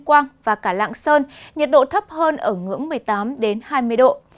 quang và cả lạng sơn nhiệt độ thấp hơn ở ngưỡng một mươi tám hai mươi độ